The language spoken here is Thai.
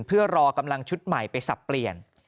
เพื่อรอกำลังชุดใหม่ไปสับเปลี่ยน